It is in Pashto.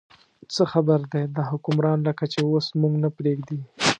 څه خیر دی، دا حکمران لکه چې اوس موږ نه پرېږدي.